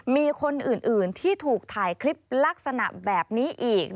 มีคนอื่นที่ถูกถ่ายคลิปลักษณะแบบนี้อีก